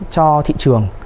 cho thị trường